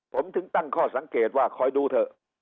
ผมถึงตั้งข้อสังเกตว่าคอยดูเถอะ